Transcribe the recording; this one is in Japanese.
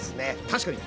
確かに。